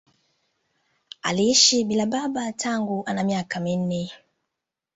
Aliishi bila ya baba tangu ana miaka minne tu.